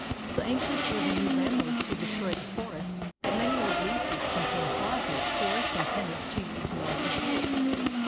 So anxious were the new landlords to destroy the forests that many old leases contain clauses coercing tenants to use no other fuel.